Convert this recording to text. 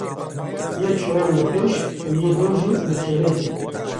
Yek ji wan li pêş û yê din jî li kêlekê.